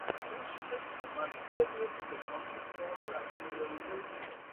Uzskatu, ka manas iebildes ir konceptuāla rakstura.